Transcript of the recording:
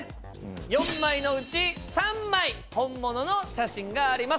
４枚のうち３枚本物の写真があります。